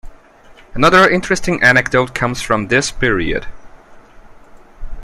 Another interesting anecdote comes from this period.